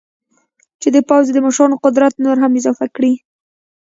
چې د پوځ د مشرانو قدرت نور هم اضافه کړي.